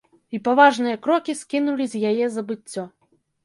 І паважныя крокі скінулі з яе забыццё.